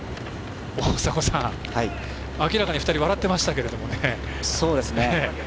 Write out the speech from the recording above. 大迫さん、明らかに２人笑ってましたけれどもね。